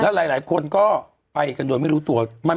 หลายคนก็ไปกันโดยไม่รู้ตัว